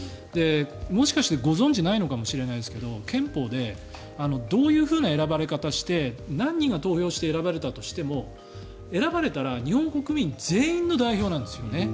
もしかして、ご存じないのかもしれないですけど憲法でどういう選ばれ方をして何人が投票して選ばれたとしても選ばれたら日本国民全員の代表なんですよね。